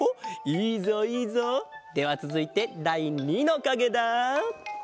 いいぞいいぞ！ではつづいてだい２のかげだ！